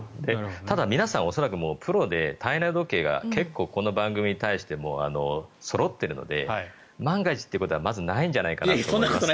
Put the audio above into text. ただ、皆さん恐らくプロで体内時計が結構この番組に対してそろっているので万が一ということはまずないんじゃないかと思います。